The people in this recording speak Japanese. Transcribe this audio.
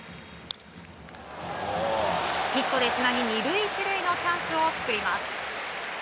ヒットでつなぎ２塁１塁のチャンスを作ります。